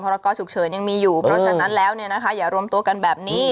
พระบรชุกเฉินยังมีอยู่เพราะฉะนั้นแล้วเนี่ยนะคะอย่ารวมตัวกันแบบนี้